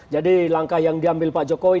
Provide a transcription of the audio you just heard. jadi langkah yang diambil pak jokowi